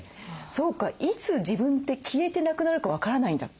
「そうかいつ自分って消えてなくなるか分からないんだ。